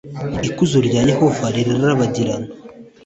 ikuzo rya Yehova rirabagirana.